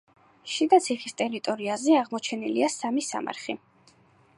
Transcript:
შიდაციხის ტერიტორიაზე აღმოჩენილია სამი სამარხი.